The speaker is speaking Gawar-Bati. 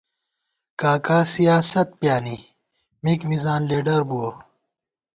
کا کا سیاست پیانی ، مِک مزان لیڈر بُوَہ